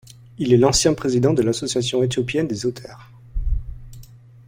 Il est l'ancien président de l'Association éthiopienne des auteurs.